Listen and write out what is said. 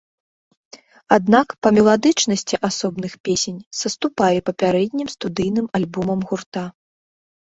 Аднак, па меладычнасці асобных песень саступае папярэднім студыйным альбомам гурта.